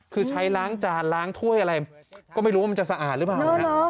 คือใช้ล้างจานล้างถ้วยอะไรก็ไม่รู้ว่ามันจะสะอาดหรือเปล่า